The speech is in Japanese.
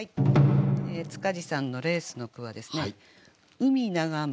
塚地さんの「レース」の句は「海眺む